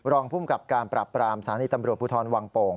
รองภูมิกับการปรับปรามสถานีตำรวจภูทรวังโป่ง